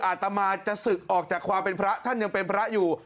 อาตมาจะศึกออกจากความเป็นพระท่านยังเป็นพระอยู่